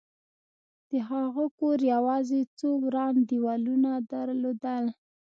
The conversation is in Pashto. د هغه کور یوازې څو وران دېوالونه درلودل